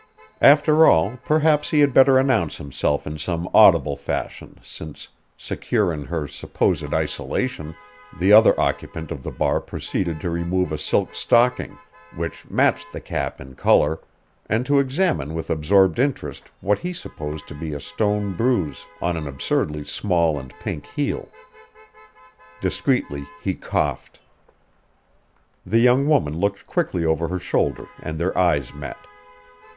After all perhaps he had better announce himself in some audible fashion since, secure in her supposed isolation, the other occupant of the bar proceeded to remove a silk stocking, which matched the cap in color, and to examine with absorbed interest what he supposed to be a stone bruise on an absurdly small and pink heel. Discreetly he coughed. The young woman looked quickly over her shoulder and their eyes met.